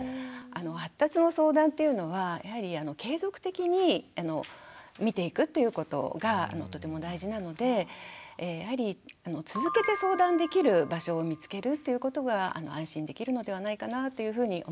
発達の相談っていうのはやはり継続的に見ていくっていうことがとても大事なのでやはり続けて相談できる場所を見つけるっていうことが安心できるのではないかなというふうに思います。